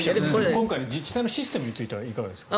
今回の自治体のシステムについてはいかがですか？